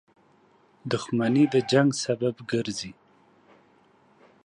• دښمني د جنګ سبب ګرځي.